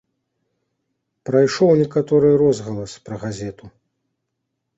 Прайшоў некаторы розгалас пра газету.